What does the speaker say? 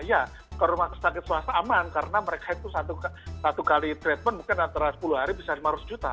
iya ke rumah sakit swasta aman karena mereka itu satu kali treatment mungkin antara sepuluh hari bisa lima ratus juta